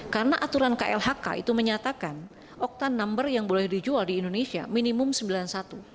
karena aturan klhk itu menyatakan oktan number yang boleh dijual di indonesia minimum ron sembilan puluh satu